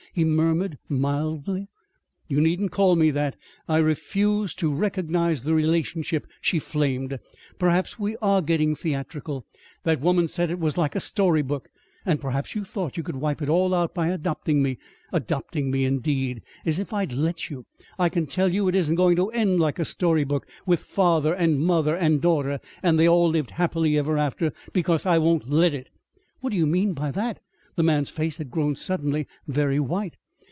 he murmured mildly. "You needn't call me that. I refuse to recognize the relationship," she flamed. "Perhaps we are getting theatrical that woman said it was like a story book. And perhaps you thought you could wipe it all out by adopting me. Adopting me, indeed! As if I'd let you! I can tell you it isn't going to end like a story book, with father and mother and daughter 'and they all lived happily ever after' because I won't let it!" "What do you mean by that?" The man's face had grown suddenly very white.